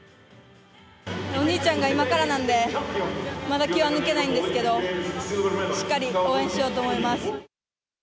お兄ちゃんが今からなんで、まだ気は抜けないんですけど、しっかり応援しようと思います。